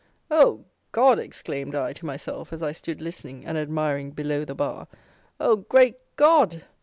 "Oh, God!" exclaimed I to myself, as I stood listening and admiring "below the bar;" "Oh, great God!